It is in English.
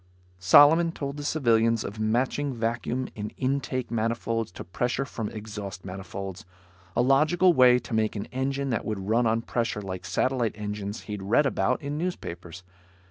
Solomon told the civilians of matching vacuum in intake manifolds to pressure from exhaust manifolds. A logical way to make an engine that would run on pressure, like satellite engines he'd read about in newspapers.